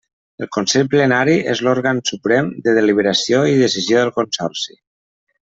El Consell Plenari és l'òrgan suprem de deliberació i decisió del Consorci.